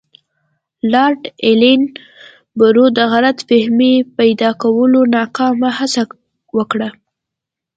لارډ ایلن برو د غلط فهمۍ پیدا کولو ناکامه هڅه وکړه.